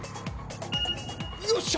よっしゃ！